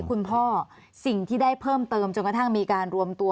คุณพ่อสิ่งที่ได้เพิ่มเติมจนกระทั่งมีการรวมตัว